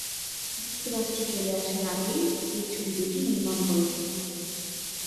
যুক্তরাষ্ট্রে চলে আসার আগেই এই ছবি দুটি নির্মাণ করেছিলেন।